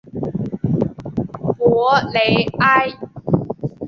博雷埃。